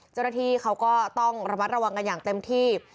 เจ้าหน้าที่เขาก็ต้องระมัดระวังกันอย่างเต็มที่